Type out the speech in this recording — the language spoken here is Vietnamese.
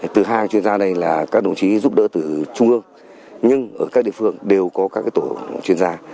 thứ hai chuyên gia đây là các đồng chí giúp đỡ từ trung ương nhưng ở các địa phương đều có các tổ chuyên gia